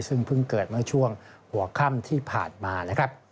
ซึ่งเพิ่งเกิดเมื่อช่วงหัวค่ำที่ผ่านมานะครับ